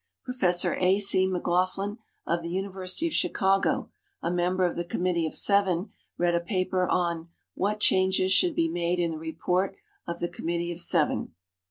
Professor A. C. McLaughlin, of the University of Chicago, a member of the Committee of Seven, read a paper on "What Changes Should be Made in the Report of the Committee of Seven."